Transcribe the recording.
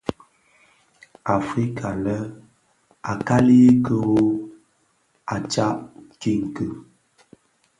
Afrika nʼl, a kali ki rö, a tsad king kii.